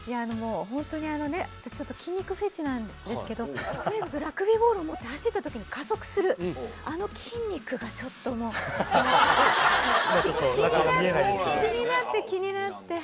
本当に私ちょっと筋肉フェチなんですけど、とにかくラグビーボール持って走ったときに加速する、あの筋肉がちょっと中、見えないですけ気になって、気になって。